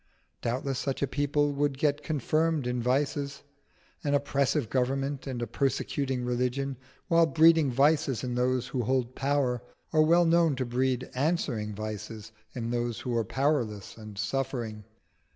Doubtless such a people would get confirmed in vices. An oppressive government and a persecuting religion, while breeding vices in those who hold power, are well known to breed answering vices in those who are powerless and suffering.